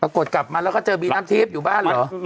กดกลับมาแล้วก็เจอบีน้ำทิพย์อยู่บ้านเหรอ